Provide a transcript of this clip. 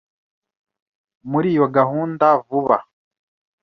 muri iyo gahunda vuba